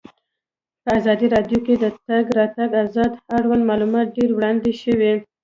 په ازادي راډیو کې د د تګ راتګ ازادي اړوند معلومات ډېر وړاندې شوي.